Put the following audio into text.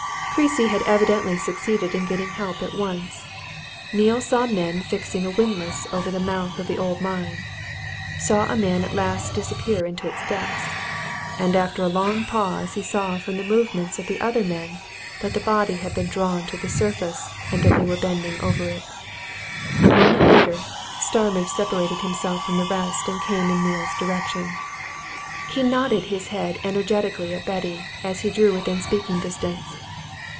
Creasy had evidently succeeded in getting help at once: Neale saw men fixing a windlass over the mouth of the old mine; saw a man at last disappear into its depths. And after a long pause he saw from the movements of the other men that the body had been drawn to the surface and that they were bending over it. A moment later, Starmidge separated himself from the rest, and came in Neale's direction. He nodded his head energetically at Betty as he drew within speaking distance.